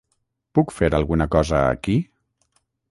Puc fer alguna cosa aquí?